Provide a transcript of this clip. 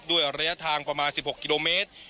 ด้วยระยะทางประมาณ๑๖กิโลเมตร